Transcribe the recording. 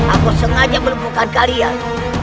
aku sengaja melupakan kalian